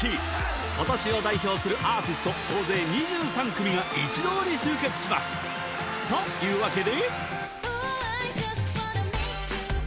今年を代表するアーティスト総勢２３組が一同に集結しますというわけで